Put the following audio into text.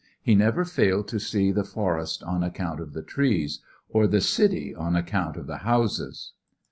He never failed to see the forest on account of the trees, or the city on account of the houses.